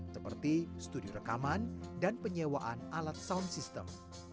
seperti studio rekaman dan penyewaan alat sound system